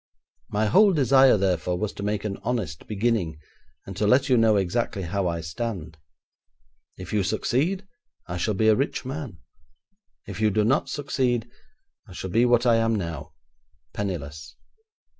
My whole desire, therefore, was to make an honest beginning, and to let you know exactly how I stand. If you succeed, I shall be a rich man; if you do not succeed, I shall be what I am now, penniless.